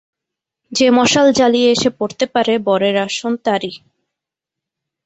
যে মশাল জ্বালিয়ে এসে পড়তে পারে বরের আসন তারই।